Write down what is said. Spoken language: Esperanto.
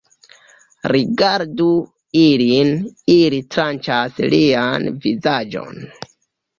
Rigardu ilin, ili tranĉas lian vizaĝon